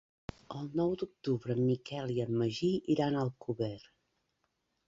El nou d'octubre en Miquel i en Magí iran a Alcover.